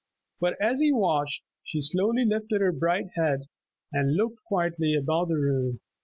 But as he watched she slowly lifted her bright head, and looked quietly about the room.